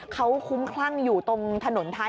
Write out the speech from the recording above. เขาคุ้มคลั่งอยู่ตรงถนนท้าย